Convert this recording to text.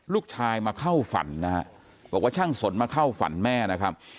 ลูกชายมาเข้าฝันนะฮะบอกว่าช่างสนมาเข้าฝันแม่นะครับ